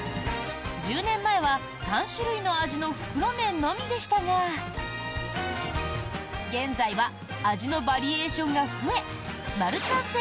１０年前は３種類の味の袋麺のみでしたが現在は味のバリエーションが増えマルちゃん